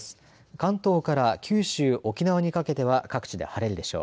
関東から九州、沖縄にかけては各地で晴れるでしょう。